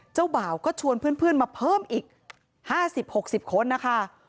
บ่าวก็ชวนเพื่อนมาเพิ่มอีก๕๐๖๐คนนะคะ